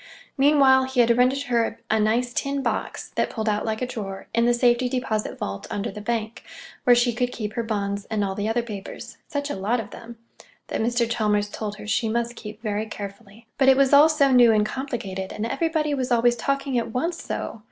Meanwhile, he had rented her a nice tin box (that pulled out like a drawer) in the safety deposit vault under the bank, where she could keep her bonds and all the other papers—such a lot of them!—that Mr. Chalmers told her she must keep very carefully. But it was all so new and complicated, and everybody was always talking at once, so!